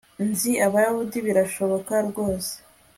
Nzi Abayahudi birashoboka rwose